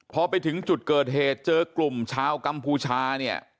พอไปถึงจุดเกิดเหตุเจอกลุ่มชาวกัมพูชาเนี่ย